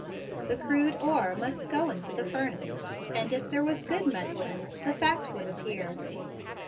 The crude ore must go into the furnace, and if there was good metal in it the fact would appear.